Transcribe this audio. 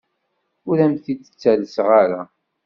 Ur am-t-id-ttalseɣ ara.